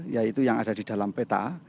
yaitu yang ada di dalam peta